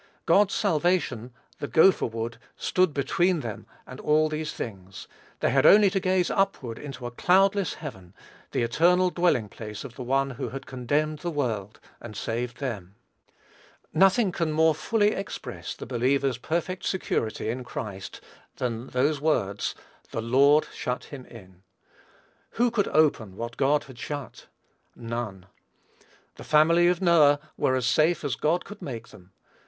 God's salvation the "gopher wood," stood between them and all these things. They had only to gaze upward into a cloudless heaven, the eternal dwelling place of the One who had condemned the world, and saved them. Nothing can more fully express the believer's perfect security in Christ than those words, "the Lord shut him in." Who could open what God had shut? None. The family of Noah were as safe as God could make them.